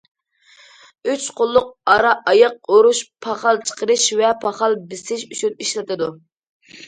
ئۈچ قوللۇق ئارا ئاياق ئۆرۈش، پاخال چىقىرىش ۋە پاخال بېسىش ئۈچۈن ئىشلىتىدۇ.